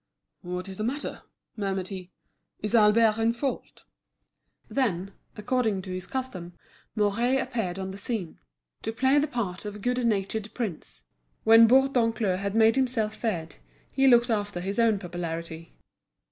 "What's the matter?" murmured he; "is Albert in fault?" Then, according to his custom, Mouret appeared on the scene, to play the part of good natured prince. When Bourdoncle had made himself feared, he looked after his own popularity.